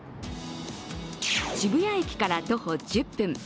渋谷駅から徒歩１０分。